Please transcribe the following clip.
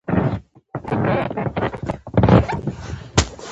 ډرامه انسان بوخت ساتي